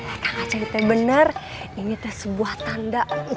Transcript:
eh kang aceh ini bener ini tuh sebuah tanda